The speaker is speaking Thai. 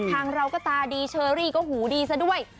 ทางเราก็ตาดีเชอรี่ก็หูดีซะด้วย